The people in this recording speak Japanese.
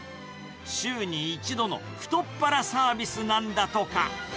週に１度の太っ腹サービスなんだとか。